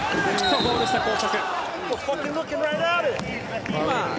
ゴール下、交錯。